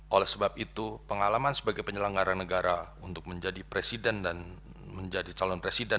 oleh sebab itu pengalaman sebagai penyelenggara negara untuk menjadi presiden dan menjadi calon presiden